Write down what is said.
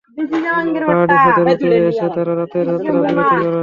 পাহাড়ী ফাঁদের অদুরে এসে তারা রাতের যাত্রাবিরতি করে।